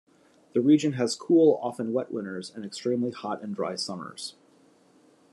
This region has cool, often wet, winters, and extremely hot and dry summers.